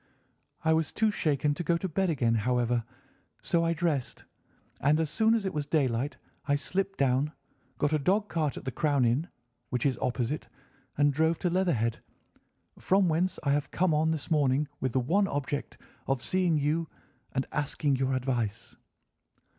I was too shaken to go to bed again, however, so I dressed, and as soon as it was daylight I slipped down, got a dog cart at the Crown Inn, which is opposite, and drove to Leatherhead, from whence I have come on this morning with the one object of seeing you and asking your advice."